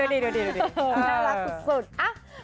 ด้วยดีน่ารักทุกสุด